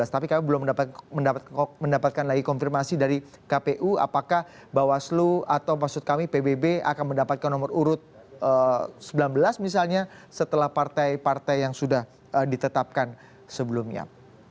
tapi kami belum mendapatkan lagi konfirmasi dari kpu apakah bawaslu atau maksud kami pbb akan mendapatkan nomor urut sembilan belas misalnya setelah partai partai yang sudah ditetapkan sebelumnya